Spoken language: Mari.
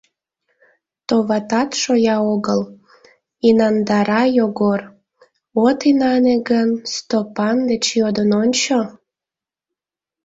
Товатат, шоя огыл, — инандара Йогор, — от инане гын, Стопан деч йодын ончо...